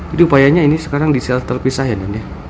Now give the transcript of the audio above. jadi upayanya ini sekarang di sel terpisah ya nand